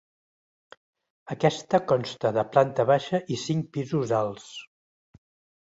Aquesta consta de planta baixa i cinc pisos alts.